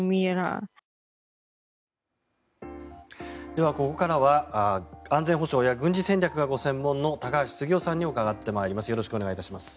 では、ここからは安全保障や軍事戦略がご専門の高橋杉雄さんに伺ってまいります。